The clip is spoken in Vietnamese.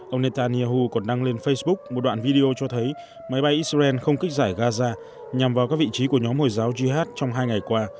ông netanyahu còn đăng lên facebook một đoạn video cho thấy máy bay israel không kích giải gaza nhằm vào các vị trí của nhóm hồi giáo jihad trong hai ngày qua